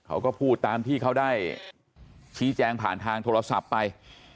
เขาก็พูดตามที่เขาได้ชี้แจงผ่านทางโทรศัพท์ไป